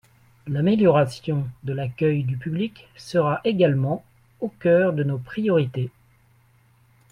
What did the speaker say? L’amélioration de l’accueil du public sera également au cœur de nos priorités.